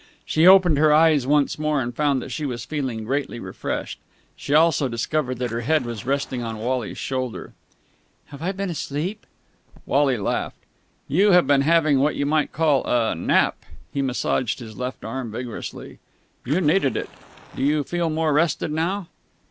She opened her eyes once more, and found that she was feeling greatly refreshed. She also discovered that her head was resting on Wally's shoulder. "Have I been asleep?" Wally laughed. "You have been having what you might call a nap." He massaged his left arm vigorously. "You needed it. Do you feel more rested now?"